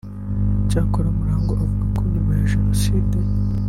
Icyakora Murangwa avuga ko nyuma ya Jenoside